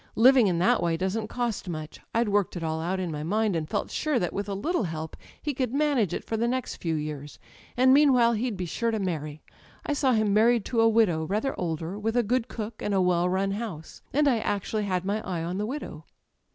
Living in that way doesn't cost much â€" I'd worked it all out in my mind, and felt sure that, with a little help, he could manage it for the next few years; and meanwhile he'd be sure to marry. I saw him married to a widow, rather older, with a good cook and a well run house. And I actually had my eye on the widow